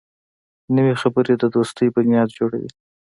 نوې خبرې د دوستۍ بنیاد جوړوي